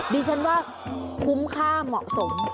ดิฉันว่าคุ้มค่าเหมาะสม